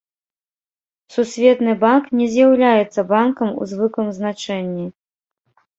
Сусветны банк не з'яўляецца банкам у звыклым значэнні.